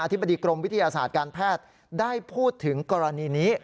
ธิบดีกรมวิทยาศาสตร์การแพทย์ได้พูดถึงกรณีนี้